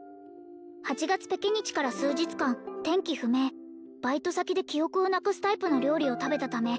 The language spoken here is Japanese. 「八月ペケ日から数日間天気不明」「バイト先で記憶をなくすタイプの料理を食べたため」